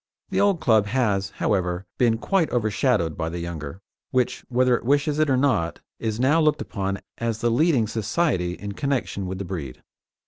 The old club has, however, been quite overshadowed by the younger, which, whether it wishes it or not, is now looked upon as the leading society in connection with the breed.